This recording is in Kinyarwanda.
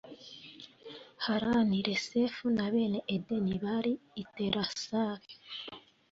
Harani, Resefu, na bene Edeni bari i Telasari,